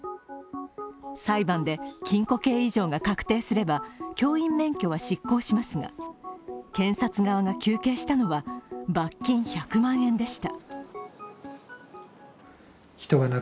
裁判で禁錮刑以上が確定すれば教員免許は失効しますが検察側が求刑したのは罰金１００万円でした。